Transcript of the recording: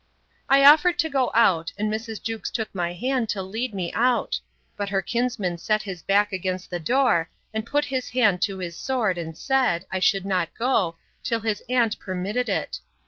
I offered to go out, and Mrs. Jewkes took my hand to lead me out: But her kinsman set his back against the door, and put his hand to his sword, and said, I should not go, till his aunt permitted it.